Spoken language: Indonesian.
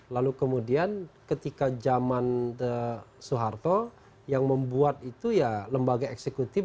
lalu kemudian ketika zaman soeharto yang membuat itu ya lembaga eksekutif